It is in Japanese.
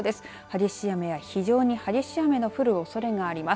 激しい雨や非常に激しい雨の降るおそれがあります。